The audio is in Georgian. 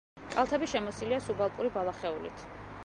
კალთები შემოსილია სუბალპური ბალახეულით.